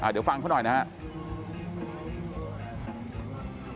เดี๋ยวฟังเขาหน่อยนะครับ